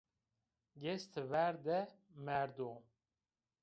Geste ver de merdo